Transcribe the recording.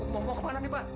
mau kemana nih pak